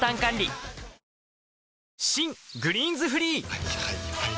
はいはいはいはい。